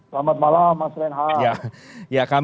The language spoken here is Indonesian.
selamat malam mas renha